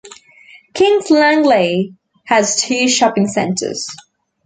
Kings Langley has two shopping centres.